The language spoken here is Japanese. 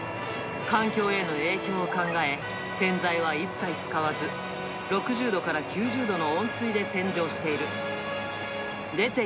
環境への影響を考え、洗剤は一切使わず、６０度から９０度の温水で洗浄している。